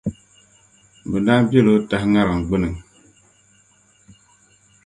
bɛ daa biɛli o tahi ŋariŋ gbini.